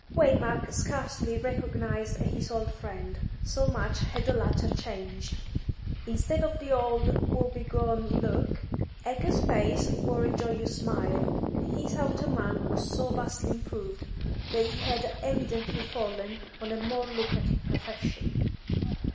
Waymark scarcely recognised his old friend, so much had the latter changed: instead of the old woe begone look, Egger's face wore a joyous smile, and his outer man was so vastly improved that he had evidently fallen on a more lucrative profession.